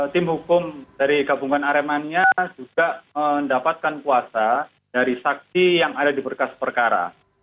tim hukum dari gabungan aremania juga mendapatkan kuasa dari saksi yang ada di berkas perkara